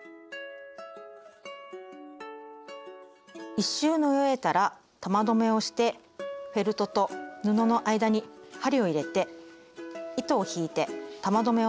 １周縫い終えたら玉留めをしてフェルトと布の間に針を入れて糸を引いて玉留めを中に隠しておきます。